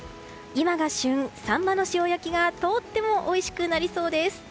今が旬、サンマの塩焼きがとってもおいしくなりそうです。